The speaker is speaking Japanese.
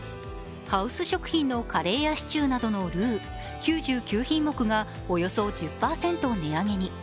ハウス食品のカレーやシチューなどのルー９９品目がおよそ１０％値上げに。